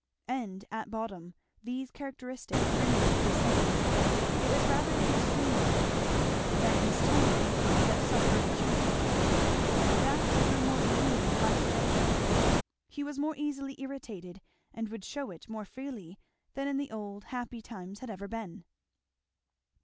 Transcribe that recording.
And at bottom these characteristics remained the same; it was rather his humour than his temper that suffered a change. That grew more gloomy and less gentle. He was more easily irritated and would shew it more freely than in the old happy times had ever been.